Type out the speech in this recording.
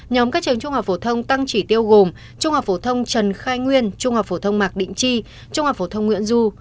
nhóm các trường trung học phổ thông tăng chỉ tiêu gồm trung học phổ thông trần khai nguyên trung học phổ thông mạc định chi